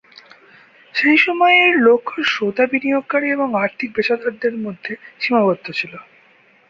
সেই সময়ে এর লক্ষ্য শ্রোতা "বিনিয়োগকারী এবং আর্থিক পেশাদারদের" মধ্যে সীমাবদ্ধ ছিল।